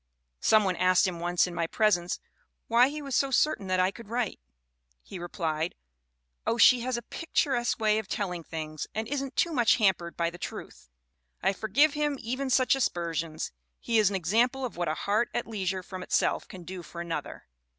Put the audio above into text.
"Some one asked him once in my presence why he was so certain that I could write. He replied: 'Oh, she has a picturesque way of telling things and isn't too much hampered by the truth.' I forgive him even such aspersions. He is an example of what 'a heart at leisure from itself can do for another.